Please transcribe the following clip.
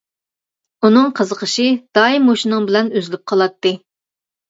ئۇنىڭ قىزىقىشى دائىم مۇشۇنىڭ بىلەن ئۈزۈلۈپ قالاتتى.